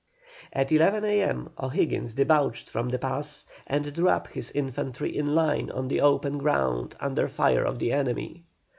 At 11 A.M. O'Higgins debouched from the pass, and drew up his infantry in line on the open ground under fire of the enemy.